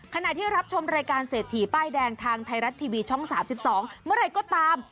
ขณะที่รับชมรายการเศรษฐีป้ายแดงทางไทยรัฐทีวีช่อง๓๒เมื่อไหร่ก็ตาม